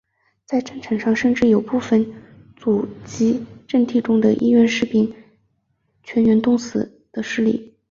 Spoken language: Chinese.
在战场上甚至有部分阻击阵地中的志愿兵士兵全员冻死的事例。